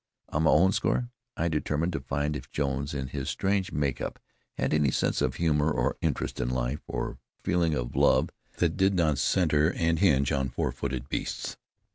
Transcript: On my own score, I determined to find if Jones, in his strange make up, had any sense of humor, or interest in life, or feeling, or love that did not center and hinge on four footed beasts.